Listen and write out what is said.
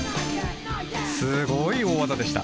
すごい大技でした。